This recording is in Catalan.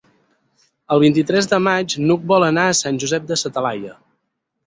El vint-i-tres de maig n'Hug vol anar a Sant Josep de sa Talaia.